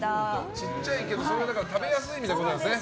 ちっちゃいけど食べやすいみたいなことなんですね。